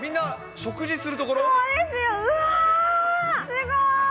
すごーい！